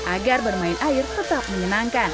agar bermain air tetap menyenangkan